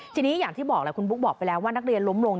ทีนี้อย่างที่บอกแหละคุณบุ๊คบอกไปแล้วว่านักเรียนล้มลง